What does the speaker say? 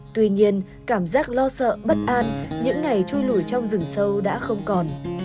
tuy nhiên cảm giác lo sợ bất an những ngày trôi lủi trong rừng sâu đã không còn